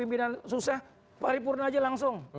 kalau memang pimpinan susah paripurna aja langsung